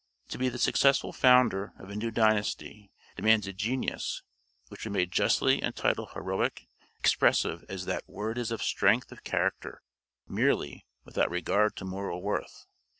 To be the successful founder of a new dynasty demands a genius which we may justly entitle heroic, expressive as that word is of strength of character merely, without regard to moral worth.